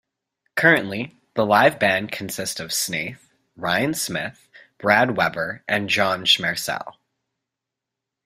Currently, the live band consists of Snaith, Ryan Smith, Brad Weber, and John Schmersal.